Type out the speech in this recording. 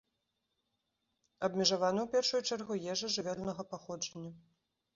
Абмежавана ў першую чаргу ежа жывёльнага паходжання.